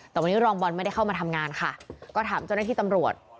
แต่วันนี้รองบอลไม่ได้เข้ามาทำงานค่ะก็ถามเจ้าหน้าที่ตำรวจ